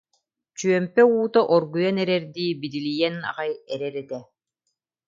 Чүөмпэ уута оргуйан эрэрдии биди- лийэн аҕай эрэр этэ